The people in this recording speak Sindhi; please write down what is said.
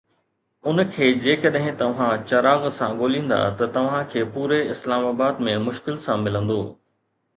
ان کي جيڪڏهن توهان چراغ سان ڳوليندا ته توهان کي پوري اسلام آباد ۾ مشڪل سان ملندو.